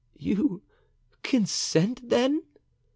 "You consent then?"